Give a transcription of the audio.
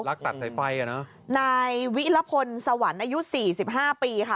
ตัดสายไฟอ่ะเนอะนายวิรพลสวรรค์อายุสี่สิบห้าปีค่ะ